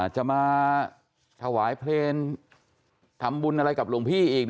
จะมาถวายเพลงทำบุญอะไรกับหลวงพี่อีก